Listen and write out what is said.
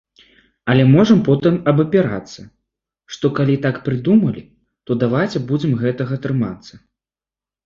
Але можам потым абапірацца, што калі так прыдумалі, то давайце будзем гэтага трымацца.